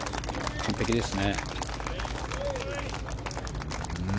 完璧ですね。